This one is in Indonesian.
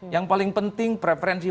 yang paling penting preferensi